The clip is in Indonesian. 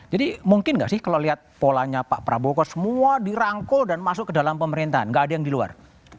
jadi mungkin enggak sih kalau lihat polanya pak prabowo kok semua dirangkul dan masuk ke dalam pemerintahan enggak ada yang di luar